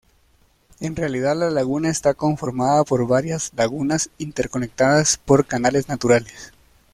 En realidad la laguna está conformada por varias lagunas interconectadas por canales naturales.